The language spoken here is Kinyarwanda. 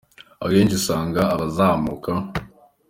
Akenshi usanga abazamuka